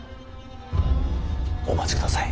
お待ちください。